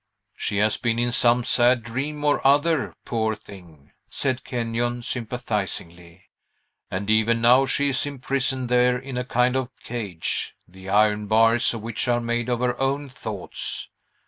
"She has been in some sad dream or other, poor thing!" said Kenyon sympathizingly; "and even now she is imprisoned there in a kind of cage, the iron bars of which are made of her own thoughts."